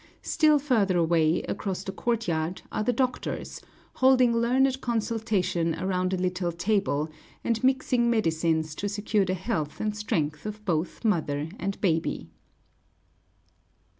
Still further away, across the courtyard, are the doctors, holding learned consultation around a little table, and mixing medicines to secure the health and strength of both mother and baby.